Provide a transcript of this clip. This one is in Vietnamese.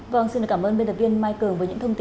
vâng xin cảm ơn